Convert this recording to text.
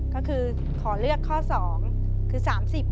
ก็คือขอเลือกข้อ๒คือ๓๐